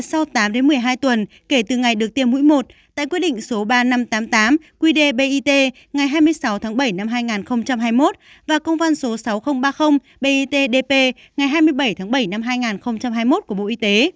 sau tám một mươi hai tuần kể từ ngày được tiêm mũi một tại quyết định số ba nghìn năm trăm tám mươi tám qdbit ngày hai mươi sáu tháng bảy năm hai nghìn hai mươi một và công văn số sáu nghìn ba mươi bitdp ngày hai mươi bảy tháng bảy năm hai nghìn hai mươi một của bộ y tế